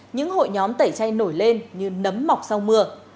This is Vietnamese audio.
những hội nhóm tẩy chay nổi lên như nấm mọc sau mưa